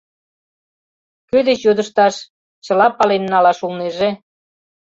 Кӧ деч йодышташ, чыла пален налаш улнеже?